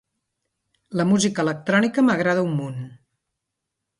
La música electrònica m'agrada un munt.